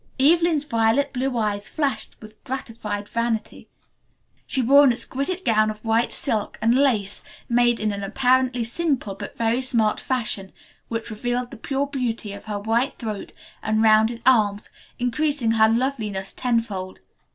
Evelyn's violet blue eyes flashed with gratified vanity. She wore an exquisite gown of white silk and lace made in an apparently simple but very smart fashion, which revealed the pure beauty of her white throat and rounded arms, increasing her loveliness tenfold.